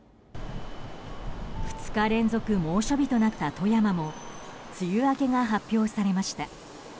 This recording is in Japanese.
２日連続猛暑日となった富山も梅雨明けが発表されました。